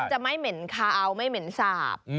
จะไม่เหม็นคาวไม่เหม็นสาบ